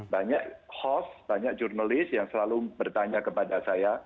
banyak host banyak jurnalis yang selalu bertanya kepada saya